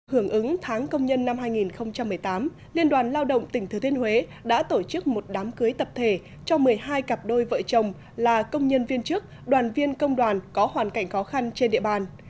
hưởng ứng tháng công nhân năm hai nghìn một mươi tám liên đoàn lao động tỉnh thừa thiên huế đã tổ chức một đám cưới tập thể cho một mươi hai cặp đôi vợ chồng là công nhân viên chức đoàn viên công đoàn có hoàn cảnh khó khăn trên địa bàn